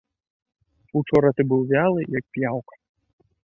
Учора ты быў вялы, як п'яўка.